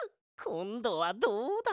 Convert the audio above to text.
こんどはどうだ？